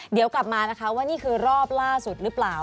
เดี๋ยวกลับมานะคะว่านี่คือรอบล่าสุดหรือเปล่า